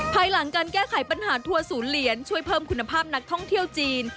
ภายหลังการแก้ไขปัญหาทัวร์ศูนย์เหรียญช่วยเพิ่มคุณภาพนักท่องเที่ยวจีน